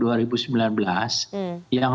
yang mengatur tentang